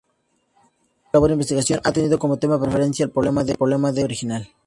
Su larga labor investigadora ha tenido como tema preferencial el "problema del pecado original".